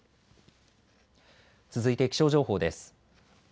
続いて気象情報です。